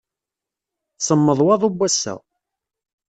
Semmeḍ waḍu n wass-a.